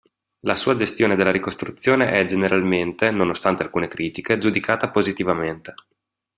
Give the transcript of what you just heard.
La sua gestione della ricostruzione è generalmente, nonostante alcune critiche, giudicata positivamente.